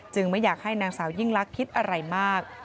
ไม่อยากให้นางสาวยิ่งลักษณ์คิดอะไรมาก